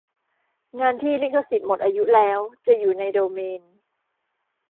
งานที่ลิขสิทธิ์หมดอายุแล้ว จะอยู่ในโดเมน